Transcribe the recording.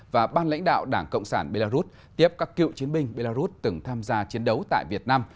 và ban lãnh đạo đảng cộng sản belarus tiếp các cựu chiến binh belarus từng tham gia chiến đấu tại việt nam